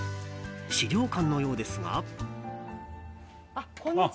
資料館のようですが。